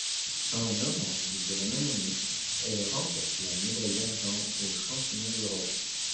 En novembre de la même année, elle remporte la médaille d’argent aux Championnats d'Europe.